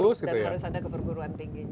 jadi harus ada keperguruan tingginya